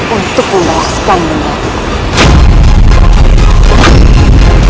untuk membalaskan nyai